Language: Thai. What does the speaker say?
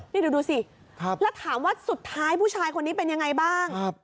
นี่ดูสิแล้วถามว่าสุดท้ายผู้ชายคนนี้เป็นยังไงบ้าง